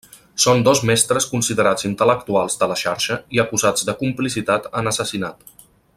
Són dos mestres considerats intel·lectuals de la xarxa i acusats de complicitat en assassinat.